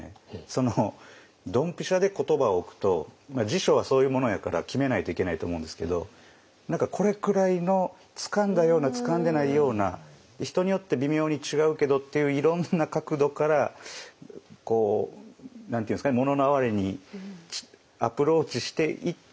そのドンピシャで言葉を置くと辞書はそういうものやから決めないといけないと思うんですけど何かこれくらいのつかんだようなつかんでないような人によって微妙に違うけどっていう何かピシッとこう定義しすぎちゃうんじゃなくて。